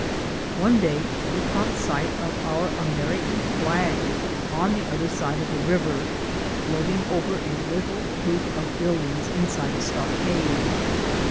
One day we caught sight of our American flag on the other side of the river, floating over a little group of buildings inside a stockade.